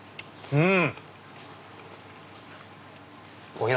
うん！